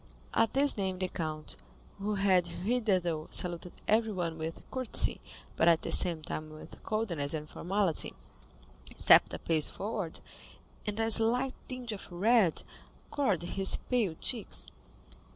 At this name the count, who had hitherto saluted everyone with courtesy, but at the same time with coldness and formality, stepped a pace forward, and a slight tinge of red colored his pale cheeks.